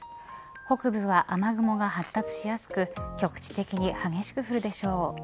北部は雨雲が発達しやすく局地的に激しく降るでしょう。